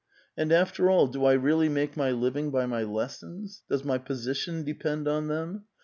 And, after all, do I really make my living by my lessons? does my position depend on them?